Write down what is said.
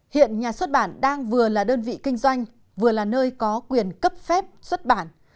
hiện nhà xuất bản đang vừa là đơn vị kinh doanh vừa là nơi có quyền cấp phép xuất bản